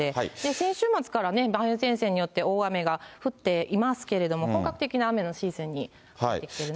先週末から梅雨前線によって大雨が降っていますけれども、本格的な雨のシーズンに入ってきているなって。